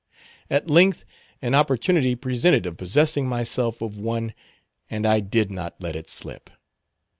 At length an opportunity presented of possessing myself of one, and I did not let it slip.